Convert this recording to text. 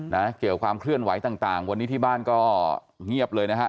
เกี่ยวความเคลื่อนไหวต่างต่างวันนี้ที่บ้านก็เงียบเลยนะฮะ